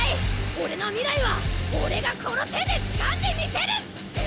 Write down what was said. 俺の未来は俺がこの手で掴んでみせる！